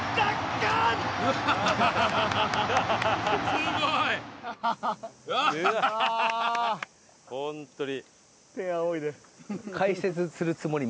すごい！ホントに。